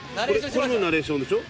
これのナレーションでしょ？